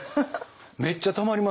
めっちゃたまりますよ。